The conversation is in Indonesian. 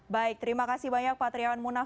baik terima kasih banyak pak triawan munaf